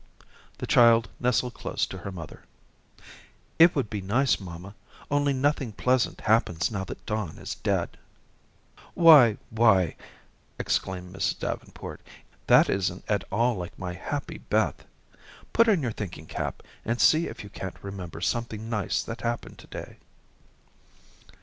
The child nestled close to her mother. "It would be nice, mamma, only nothing pleasant happens now that Don is dead." "Why, why," exclaimed Mrs. Davenport, "that isn't at all like my happy Beth. Put on your thinking cap and see if you can't remember something nice that happened to day."